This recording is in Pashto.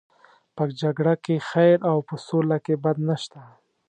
په جګړه کې خیر او په سوله کې بد نشته.